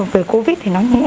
về covid thì nó nhẹ